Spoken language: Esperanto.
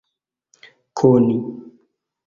koni